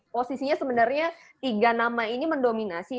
posisinya sebenarnya tiga nama ini mendominasi